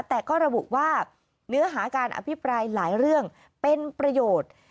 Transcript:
แต่ก็ระบุว่าเนื้อหาการอภิปรายหลายเรื่องเป็นประโยชน์